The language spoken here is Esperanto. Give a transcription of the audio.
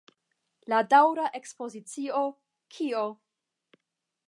La daŭra ekspozicio "Kio?